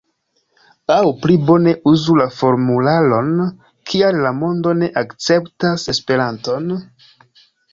Aŭ pli bone uzu la formularon: Kial la mondo ne akceptas Esperanton?